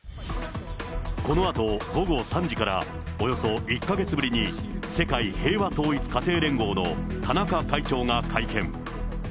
このあと午後３時から、およそ１か月ぶりに世界平和統一家庭連合の田中会長が会見。